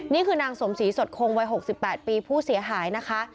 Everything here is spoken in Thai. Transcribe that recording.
นี่คือนางสมศรีสดคงวัย๖๘ปีผู้เสียหายนะคะ